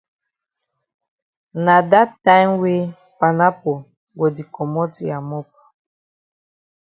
Na dat time wey panapo go di komot ya mop.